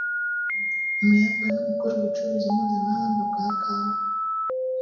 Umuyapani ukora ubucuruzi mpuzamahanga bwa kawa